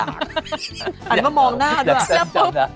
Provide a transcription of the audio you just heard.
หันมามองหน้าด้วย